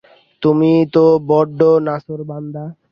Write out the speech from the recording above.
তুমি তো বড্ড নাছোড়বান্দা।